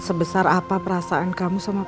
sebesar apa perasaan kamu sama